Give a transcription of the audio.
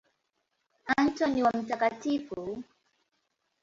Antoni wa Mt.